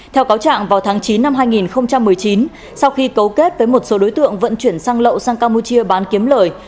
theo cáo trạng vào tháng chín năm hai nghìn một mươi chín sau khi cấu kết với một số đối tượng vận chuyển sang lậu sang campuchia bán kiếm lời